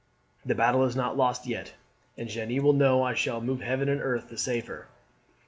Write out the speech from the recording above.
The battle is not lost yet, and Jeanne will know I shall move heaven and earth to save her."